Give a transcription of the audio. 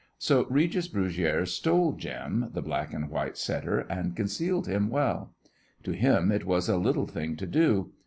So Regis Brugiere stole Jim, the black and white setter, and concealed him well. To him it was a little thing to do.